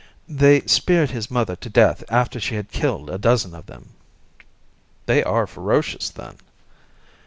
They speared his mother to death after she had killed a dozen of them." "They are ferocious, then?"